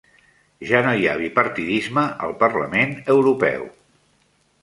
Ja no hi ha bipartidisme al Parlament Europeu